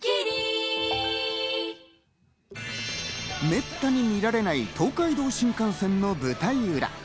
めったに見られない東海道新幹線の舞台ウラ。